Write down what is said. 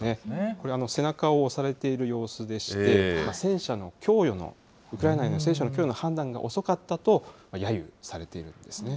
これ、背中を押されている様子でして、戦車の供与の、ウクライナへの戦車の供与の判断が遅かったとやゆしているんです